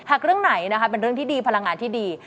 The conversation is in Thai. เรื่องไหนนะคะเป็นเรื่องที่ดีพลังงานที่ดี